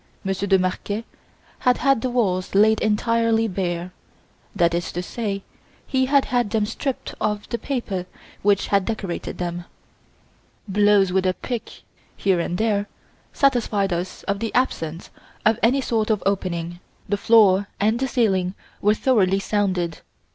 Monsieur de Marquet had had the walls laid entirely bare; that is to say, he had had them stripped of the paper which had decorated them. Blows with a pick, here and there, satisfied us of the absence of any sort of opening. The floor and the ceiling were thoroughly sounded.